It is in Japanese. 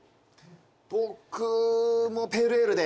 僕もペールエールで。